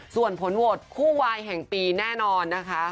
ส่วนผลโหวตคู่วายแห่งปีแน่นอนนะคะ